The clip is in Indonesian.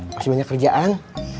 masih banyak kerjaan